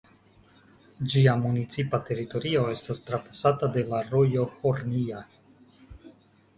Ĝia municipa teritorio estas trapasata de la rojo Hornija.